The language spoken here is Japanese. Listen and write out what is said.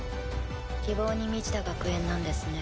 希望に満ちた学園なんですね